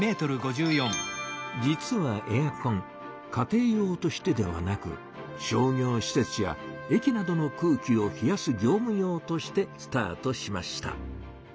実はエアコン家庭用としてではなく商業しせつや駅などの空気を冷やす業む用としてスタートしました。